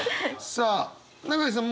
さあ永井さん